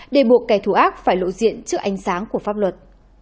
để buộc kẻ thù ác phải lộ diện trước ánh sáng của pháp luật